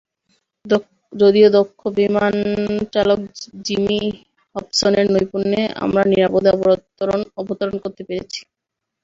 যদিও দক্ষ বিমান চালক জিমি হবসনের নৈপুণ্যে আমরা নিরাপদে অবতরণ করতে পেরেছি।